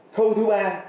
khâu thứ ba